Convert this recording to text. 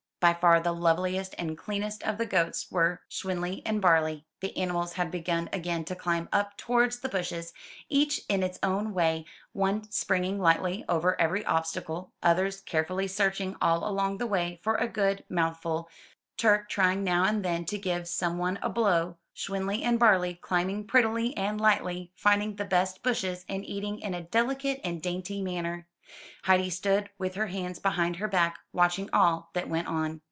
By far the loveliest and cleanest of the goats were Schwanli and Barli. The animals had begun again to climb up towards the bushes, each in its own way; one springing lightly over every obstacle, others care fully searching all along the way for a good mouthful, Turk trying now and then to give some one a blow, Schwanli and Barli climbing prettily and lightly, finding the best bushes, and eating in a delicate and dainty manner. Heidi stood with her hands behind her back, watching all that went on.